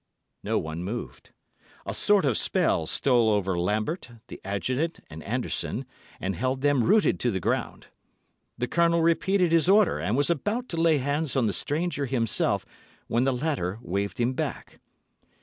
No one moved. A sort of spell stole over Lambert, the Adjutant, and Anderson, and held them rooted to the ground. The Colonel repeated his order, and was about to lay hands on the stranger himself, when the latter waved him back.